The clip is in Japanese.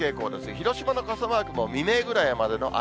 広島の傘マークも未明ぐらいまでの雨。